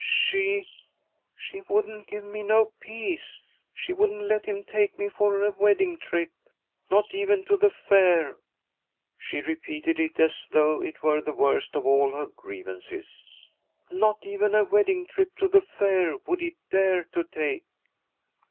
'She she wouldn't give me no peace. She wouldn't let him take me for a wedding trip, not even to the Fair.' She repeated it as though it were the worst of all her grievances: 'Not even a wedding trip to the Fair would he dare to take.'